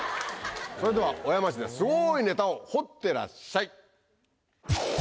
それでは小山市ですごいネタを掘ってらっしゃい。